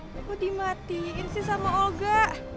aku dimatiin sih sama olga